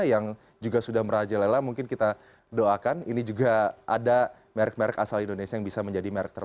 yang juga sudah merajalela mungkin kita doakan ini juga ada merk merk asal indonesia yang bisa menjadi merk indonesia